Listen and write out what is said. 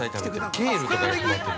ケールとかにはまってる。